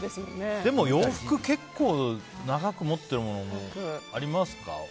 でも洋服、結構長く持ってるものありますか？